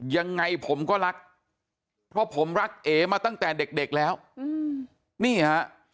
ยังไงผมก็รักเพราะผมรักเอ๋มาตั้งแต่เด็กแล้วนี่ฮะ